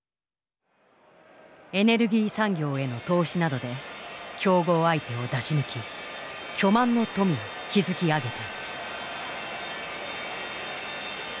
エネルギー産業への投資などで競合相手を出し抜き巨万の富を築き上げた。